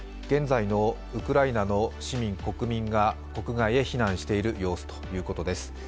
現在のウクライナの市民、国民が国外へ避難している様子ということです。